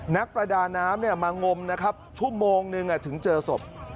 นักประดาน้ำมางมนะครับชั่วโมงนึงถึงเจอศพ